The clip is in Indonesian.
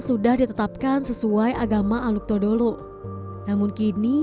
yang terbaik sesuai dengan kemampuan kita